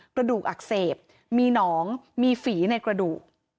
กระดูกอักเสบมีหนองมีฝีในกระดูก